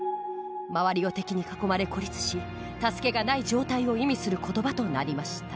周りを敵に囲まれ孤立し助けがない状態を意味する言葉となりました。